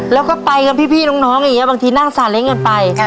แล้วก็ไปกันพี่น้องอย่างนี้บางทีนั่งสาเล้งกันไป